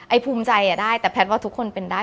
ภูมิใจได้แต่แพทย์ว่าทุกคนเป็นได้